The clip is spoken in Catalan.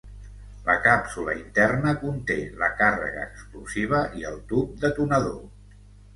La càpsula interna conté la càrrega explosiva i el tub detonador.